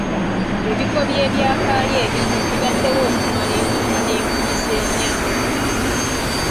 Ebifo by'ebyafaayo ebimu bibaddewo okumala enkumi n'enkumi z'emyaka.